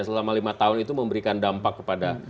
selama lima tahun itu memberikan dampak kepada